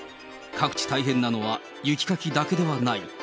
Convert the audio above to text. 各地大変なのは、雪かきだけではない。